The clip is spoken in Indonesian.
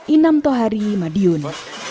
inam tohari madiun